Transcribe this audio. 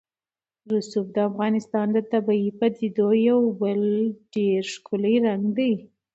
رسوب د افغانستان د طبیعي پدیدو یو بل ډېر ښکلی رنګ دی.